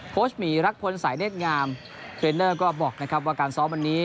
หมีรักพลสายเนธงามเทรนเนอร์ก็บอกนะครับว่าการซ้อมวันนี้